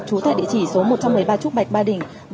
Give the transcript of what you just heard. trú tại địa chỉ số một trăm một mươi ba trúc bạch ba đình